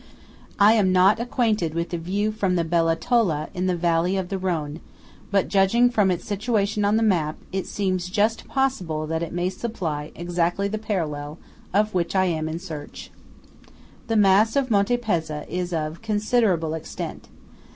I am not acquainted with the view from the Bella Tola in the Valley of the Rhone; but, judging from its situation on the map, it seems just possible that it may supply exactly the parallel of which I am in search. The mass of Monte Pezza is of considerable extent.